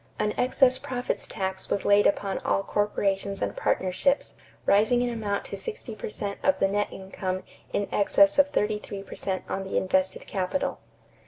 An excess profits tax was laid upon all corporations and partnerships, rising in amount to sixty per cent of the net income in excess of thirty three per cent on the invested capital.